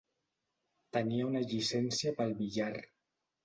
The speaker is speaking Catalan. Tenia una llicència pel billar.